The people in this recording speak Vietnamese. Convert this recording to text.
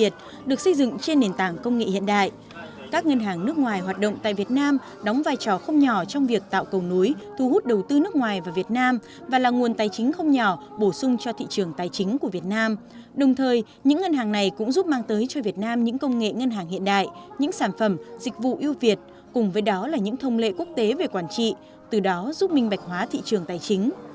trong thời gian qua những ngân hàng này cũng giúp mang tới cho việt nam những công nghệ ngân hàng hiện đại những sản phẩm dịch vụ yêu việt cùng với đó là những thông lệ quốc tế về quản trị từ đó giúp minh bạch hóa thị trường tài chính